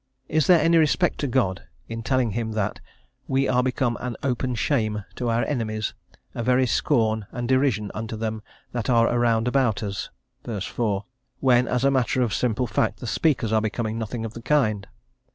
Is there any respect to God in telling him that "we are become an open shame to our enemies; a very scorn and derision unto them that are round about us" (v. 4), when, as a matter of simple fact, the speakers are become nothing of the kind?